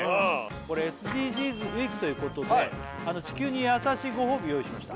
これＳＤＧｓＷＥＥＫということで地球に優しいごほうび用意しました